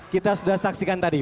kita sudah saksikan tadi